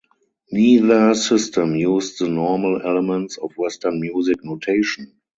Neither system used the normal elements of western music notation.